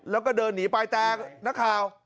แล้วก็เดินหนีไปแต่นักข่าว